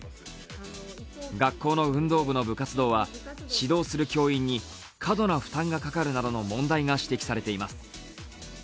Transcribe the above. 学校の運動部の部活動は指導する教員に過度な負担がかかるなどの問題が指摘されています。